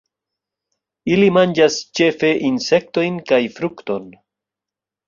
Ili manĝas ĉefe insektojn kaj frukton.